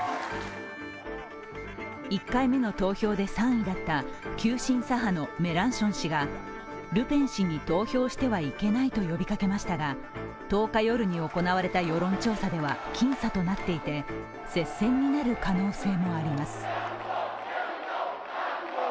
１回目の投票で３位だった急進左派のメランション氏がルペン氏に投票してはいけないと呼びかけましたが１０日夜に行われた世論調査では僅差となっていて、接戦になる可能性もあります。